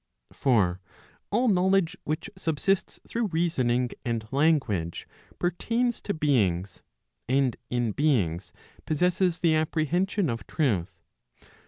For all knowledge which subsists through reasoning and language, per¬ tains to beings, and in beings possesses the apprehension of truth.